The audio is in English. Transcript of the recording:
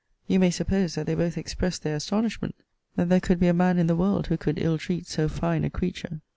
You may suppose that they both expressed their astonishment, that there could be a man in the world who could ill treat so fine a creature.